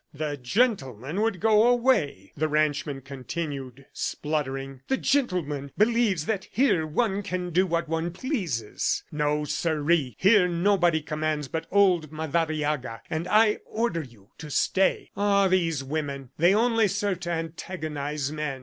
"The gentleman would go away," the ranchman continued spluttering. "The gentleman believes that here one can do what one pleases! No, siree! Here nobody commands but old Madariaga, and I order you to stay. ... Ah, these women! They only serve to antagonize men.